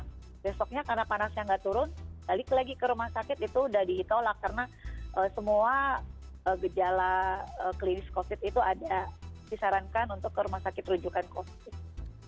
nah besoknya karena panasnya nggak turun balik lagi ke rumah sakit itu udah dihitorak karena semua gejala klinis covid sembilan belas itu ada disarankan untuk ke rumah sakit rujukan covid sembilan belas